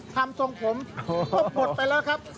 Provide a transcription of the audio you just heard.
ทรงผมก็หมดไปแล้วครับ